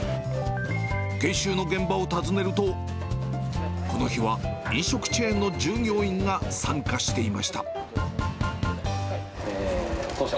研修の現場を訪ねると、この日は、飲食チェーンの従業員が参加していました。